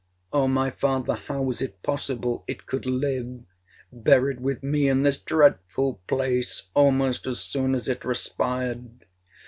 Oh, my father, how was it possible it could live, buried with me in this dreadful place almost as soon as it respired?